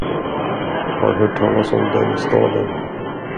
Har hört talas om den i staden.